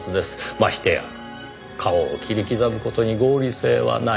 ましてや顔を切り刻む事に合理性はない。